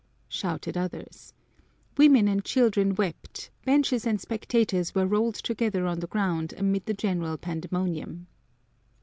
shouted others. Women and children wept, benches and spectators were rolled together on the ground amid the general pandemonium.